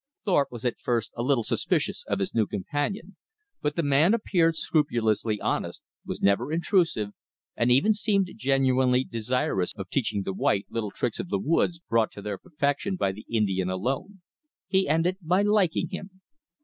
Thorpe was at first a little suspicious of his new companion, but the man appeared scrupulously honest, was never intrusive, and even seemed genuinely desirous of teaching the white little tricks of the woods brought to their perfection by the Indian alone. He ended by liking him.